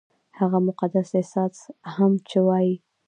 هغه مقدس احساس هم چې وايي-